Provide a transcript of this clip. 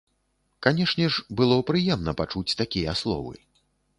Канешне ж, было прыемна пачуць такія словы.